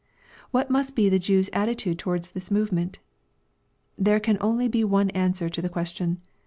What must be the Jew's attitude toward this movement? There can be only one answer to the question.